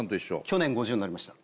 去年５０になりました